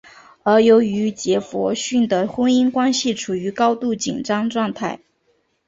而由于杰佛逊的婚姻关系处于高度紧张状态。